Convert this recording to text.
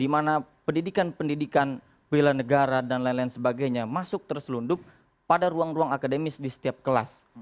di mana pendidikan pendidikan bela negara dan lain lain sebagainya masuk terselundup pada ruang ruang akademis di setiap kelas